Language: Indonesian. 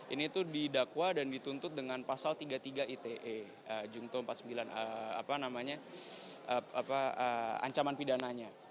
ini itu didakwa dan dituntut dengan pasal tiga puluh tiga ite anjaman pidananya